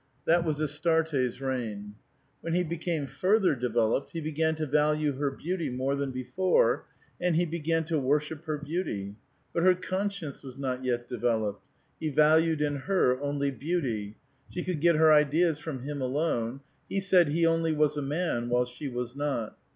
That was Astarte's reign. " When he became further developed, he began to value her beauty more than before, and he began to worship her beauty. But her conscience was not yet developed. He valued in her only beauty. She could get her ideas from him alone. He said he only was a man, while she was not.